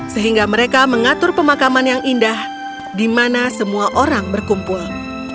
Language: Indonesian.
sehingga mereka mengatur pemakaman yang indah di mana semua orang berkumpul